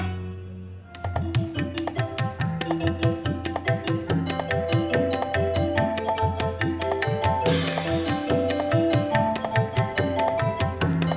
ya kita ke rumah kita ke rumah